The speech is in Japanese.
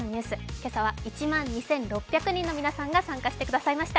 今朝は１万２６００人の皆さんが参加してくださいました。